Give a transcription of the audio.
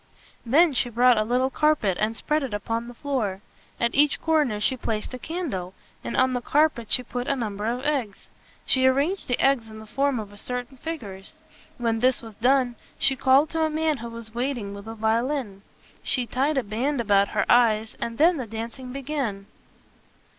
Then she brought a little carpet, and spread it upon the floor. At each corner she placed a candle, and on the carpet she put a number of eggs. She arranged the eggs in the form of certain figures. When this was done, she called to a man who was waiting with a violin. She tied a band about her eyes, and then the dancing began. [Illustration: "And then the dancing began."